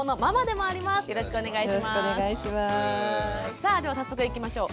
さあでは早速いきましょう。